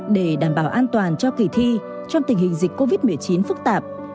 để đảm bảo an toàn cho kỳ thi trong tình hình dịch covid một mươi chín phức tạp